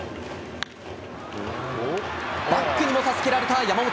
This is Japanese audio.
バックにも助けられた山本。